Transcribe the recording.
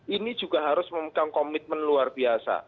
ini juga harus memegang komitmen luar biasa